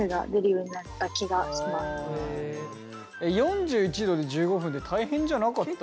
結構４１℃で１５分って大変じゃなかった？